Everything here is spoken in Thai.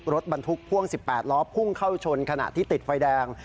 รถบรรทุกพ่วง๑๘ล้อพุ่งเข้าชนขณะที่ติดไฟแดง